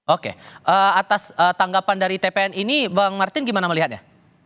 oke atas tanggapan dari tpn ini bang martin gimana melihatnya